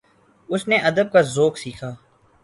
اس نے ادب کا ذوق سیکھا